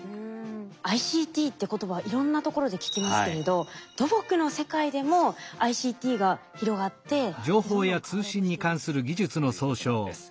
ＩＣＴって言葉はいろんなところで聞きますけれど土木の世界でもＩＣＴが広がってどんどん変わろうとしているんですね。